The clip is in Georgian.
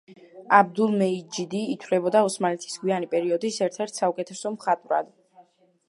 აბდულმეჯიდი ითვლება ოსმალეთის გვიანი პერიოდის ერთ-ერთ საუკეთესო მხატვრად.